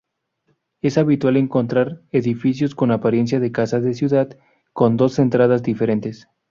Es habitual encontrar edificios con apariencia de casa de ciudad, con dos entradas diferentes.